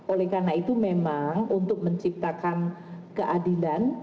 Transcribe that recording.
oleh karena itu memang untuk menciptakan keadilan